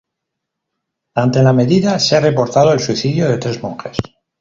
Ante la medida se ha reportado el suicidio de tres monjes.